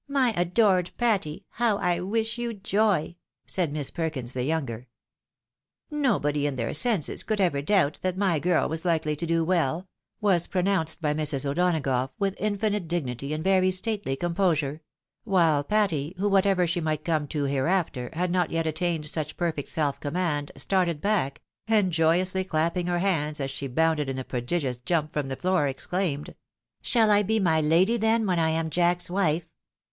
" My adored Patty, how I wish you joy !" said Miss Perkins the younger. 252 THE WIDOW MAEEIED. " Nobody in their senses could ever doubt that my girl was likely to do weU,'' was pronounced by Mrs. O'Donagough, with infinite dignity and very stately composure ; while Patty, who, whatever she might come to hereafter, had not yet attaiued Buch perfect self command, started back, and joyously clapping her hands as she bounded in a prodigious jump from the floor, exclaimed, " Shall I be my lady, then, when I am Jack's wife